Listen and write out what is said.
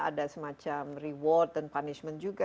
ada semacam reward dan punishment juga